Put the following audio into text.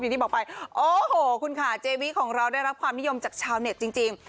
อย่างที่บอกไปโอ้โหคุณค่ะเจวีของเราได้รับความนิยมจากชาวเน็ตจริง